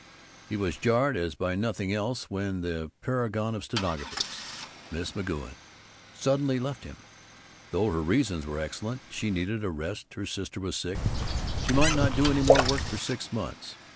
He was jarred as by nothing else when the paragon of stenographers, Miss McGoun, suddenly left him, though her reasons were excellent she needed a rest, her sister was sick, she might not do any more work for six months.